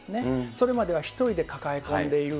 それまでは一人で抱え込んでいる。